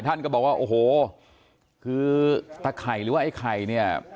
ท่านก็บอกว่าโอ้โหคือตะไข่หรือว่าไอ้ไข่เนี่ย